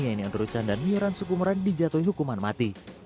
yaitu andrew chan dan miran sukumuran dijatuhi hukuman mati